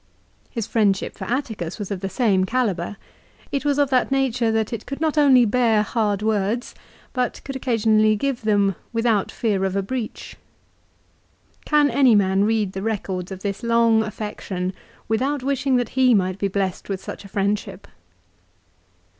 His friendship for Atticus was of the same calibre. It was of that nature that it could not only bear hard words but could occasionally give them without fear of a breach. Can any man read the records of this long affection without wish ing that he might be blessed with such a friendship?